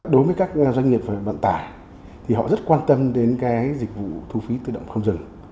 đối với các doanh nghiệp và vận tải thì họ rất quan tâm đến cái dịch vụ thu phí tự động không dừng